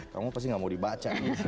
kamu pasti gak mau dibaca